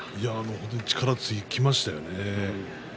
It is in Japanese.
本当に力尽きましたね。